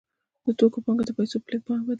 د توکو پانګه د پیسو په پانګه بدلېږي